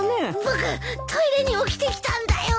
僕トイレに起きてきたんだよ。